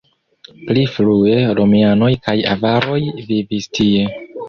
Pli frue romianoj kaj avaroj vivis tie.